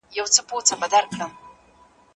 دا دوره د شوالیو او جنګیالیو زمانه وه.